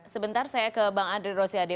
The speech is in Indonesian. sebentar saya ke bang andri rosiade